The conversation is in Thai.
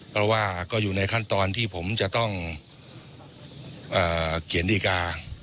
เพราะว่าก็อยู่ในขั้นตอนที่ผมจะต้องเขียนดีการ์